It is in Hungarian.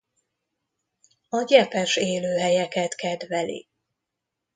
A gyepes élőhelyeket kedveli.